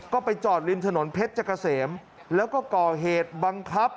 ก็ไปจอดริมถนนเพชรเกษมแล้วก็ก่อเหตุบังคับ